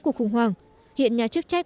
cuộc khủng hoảng hiện nhà chức trách